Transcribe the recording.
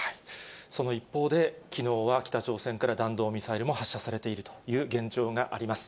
その一方で、きのうは北朝鮮から弾道ミサイルも発射されているという現状があります。